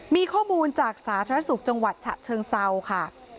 มีข้อมูลจากสาธารณสุขจังหวัดฉะเชิงเซาค่ะ